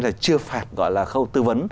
là chưa phạt gọi là khâu tư vấn